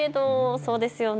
そうですよね。